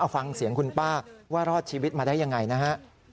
ฟังเสียงคุณป้าว่ารอดชีวิตมาได้ยังไงนะฮะ